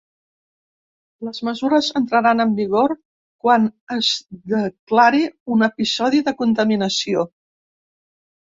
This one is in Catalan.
Les mesures entraran en vigor quan es declari un episodi de contaminació.